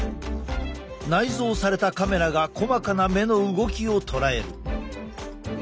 内蔵されたカメラが細かな目の動きを捉える。